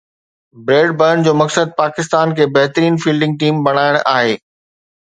bread برن جو مقصد پاڪستان کي بهترين فيلڊنگ ٽيم بڻائڻ آهي